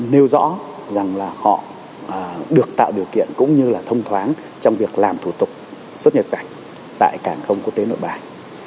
nêu rõ rằng là họ được tạo điều kiện cũng như là thông thoáng trong việc làm thủ tục xuất nhập cảnh tại cảng không quốc tế nội bài